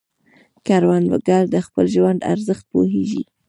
کروندګر د خپل ژوند ارزښت پوهیږي